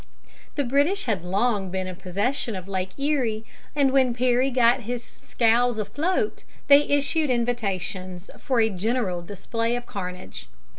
The British had long been in possession of Lake Erie, and when Perry got his scows afloat they issued invitations for a general display of carnage.